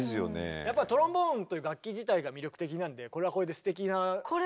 トロンボーンという楽器自体が魅力的なんでこれはこれですてきなところも。